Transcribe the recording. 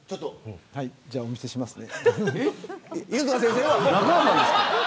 じゃあ、お見せしますね。